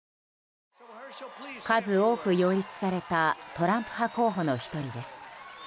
数多く擁立されたトランプ派候補の１人です。